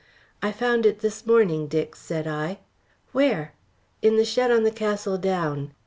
"I found it this morning, Dick," said I. "Where?" "In the shed on the Castle Down.